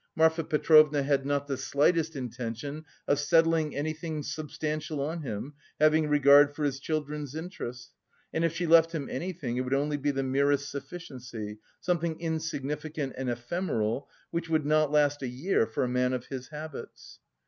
Marfa Petrovna had not the slightest intention of settling anything substantial on him, having regard for his children's interests, and, if she left him anything, it would only be the merest sufficiency, something insignificant and ephemeral, which would not last a year for a man of his habits."